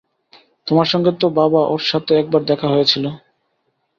তোমার সঙ্গে তো বাবা ওঁর সাথে একবার দেখা হয়েছিল।